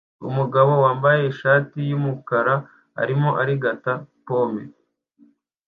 Umugabo wambaye ishati yumukara arimo arigata pome